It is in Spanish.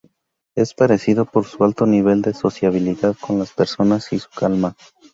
Es apreciado por su alto nivel de sociabilidad con las personas y su calma.